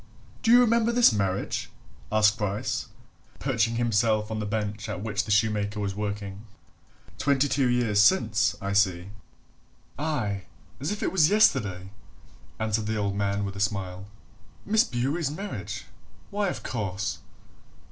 "Do you remember this marriage?" asked Bryce, perching himself on the bench at which the shoemaker was working. "Twenty two years since, I see." "Aye, as if it was yesterday!" answered the old man with a smile. "Miss Bewery's marriage? why, of course!"